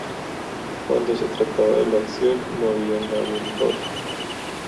Cuando se trataba de la acción no había nadie mejor.